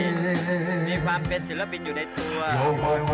ต้องมีความสีมีความเป็นศิลปินอยู่ในตัว